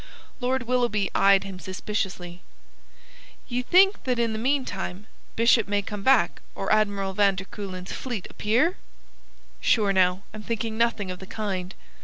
Lord Willoughby eyed him suspiciously. "Ye think that in the meantime Bishop may come back or Admiral van der Kuylen's fleet appear?" "Sure, now, I'm thinking nothing of the kind.